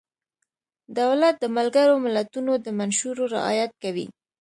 دولت د ملګرو ملتونو د منشورو رعایت کوي.